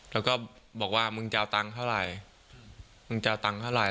แล้วก็บอกว่ามึงจะเอาตังค์เท่าไหร่มึงจะเอาตังค์เท่าไหร